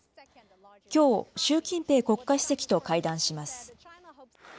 きょう、習近平国家主席と会談します。